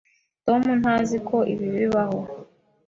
Tom ntazi ko ibi bibaho.